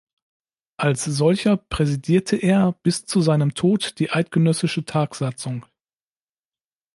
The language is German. Als solcher präsidierte er bis zu seinem Tod die eidgenössische Tagsatzung.